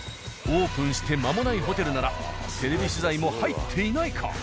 オープンして間もないホテルならテレビ取材も入っていないか？